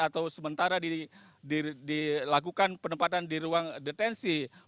atau sementara dilakukan penempatan di ruang detensi